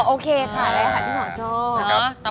โอเคค่ะเลยค่ะที่หมอนชอบ